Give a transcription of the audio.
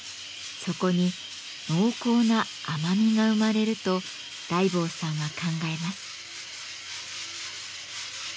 そこに濃厚な甘みが生まれると大坊さんは考えます。